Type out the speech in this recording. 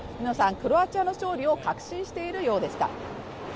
クロアチア勝利を確信しているようでした。